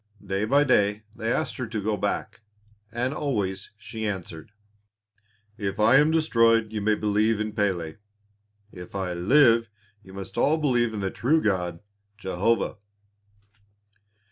Day by day they asked her to go back, and always she answered, "If I am destroyed you may believe in Pélé; if I live you must all believe in the true God, Jehovah."